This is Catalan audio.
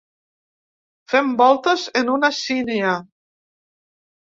Fem voltes en una sínia.